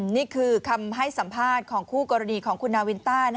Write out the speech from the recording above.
นี่คือคำให้สัมภาษณ์ของคู่กรณีของคุณนาวินต้า